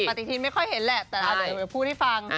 แต่สิ่งที่ปฏิกิรไม่ค่อยเห็นแต่เดี๋ยวหนูจะพูดให้ฟัง